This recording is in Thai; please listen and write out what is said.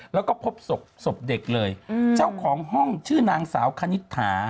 แล้วก็พบศพเด็กเลยเจ้าของห้องชื่อนางสาวคณิตถา